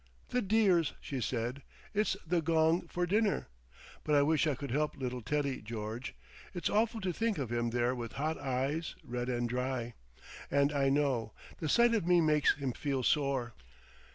"The dears!" she said. "It's the gong for dinner!... But I wish I could help little Teddy, George. It's awful to think of him there with hot eyes, red and dry. And I know—the sight of me makes him feel sore.